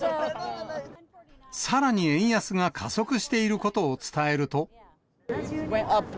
さらに円安が加速していることを伝えると。